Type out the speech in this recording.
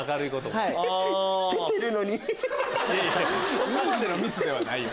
そこまでのミスではないよ。